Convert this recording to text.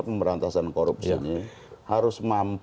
pemberantasan korupsi ini harus